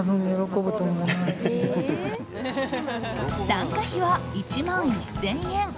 参加費は１万１０００円。